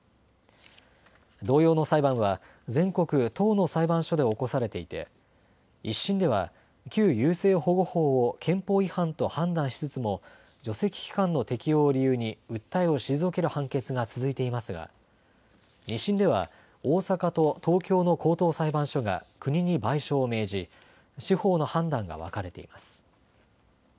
同様の裁判は全国１０の裁判所で起こされていて１審では旧優生保護法を憲法違反と判断しつつも除斥期間の適用を理由に訴えを退ける判決が続いていますが２審では大阪と東京の高等裁判所が国に賠償を命じ司法の判断が分かれています。